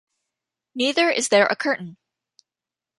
Neither is there a curtain.